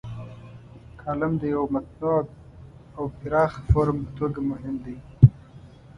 کالم د یوه متنوع او پراخ فورم په توګه مهم دی.